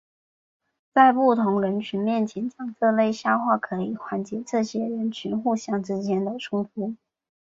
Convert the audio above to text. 在不同人群面前讲这类笑话可以缓解这些人群互相之间的冲突。